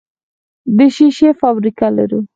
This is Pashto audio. د شیشې فابریکه لرو؟